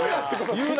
言うな！